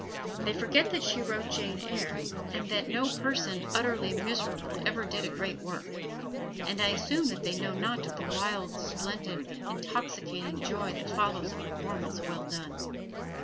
They forget that she wrote "Jane Eyre," and that no person utterly miserable ever did a great work; and I assume that they know not of the wild, splendid, intoxicating joy that follows a performance well done.